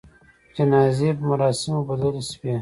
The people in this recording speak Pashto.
جنازې په مراسموبدل سول.